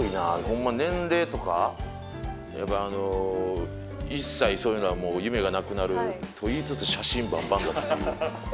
ほんま年齢とかやっぱりあの一切そういうのはもう夢がなくなると言いつつ写真バンバン出すという。